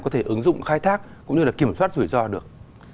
có thể ứng dụng khai thác cũng như là kiểm soát rủi ro được